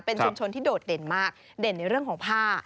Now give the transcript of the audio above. เป็นชุมชนที่โดดเด่นมากเด่นในเรื่องของผ้า